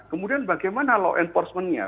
kemudian bagaimana law enforcement nya